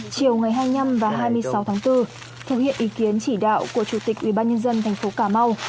chiều ngày hai mươi năm và hai mươi sáu tháng bốn thực hiện ý kiến chỉ đạo của chủ tịch ubnd tp cà mau